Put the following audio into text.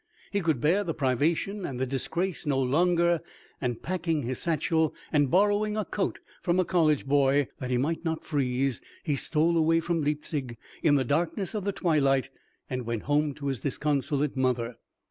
He could bear the privation and the disgrace no longer, and, packing his satchel, and borrowing a coat from a college boy, that he might not freeze, he stole away from Leipzig in the darkness of the twilight, and went home to his disconsolate mother.